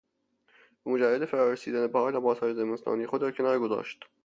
به مجرد فرار رسیدن بهار لباسهای زمستانی خود را کنار گذاشت.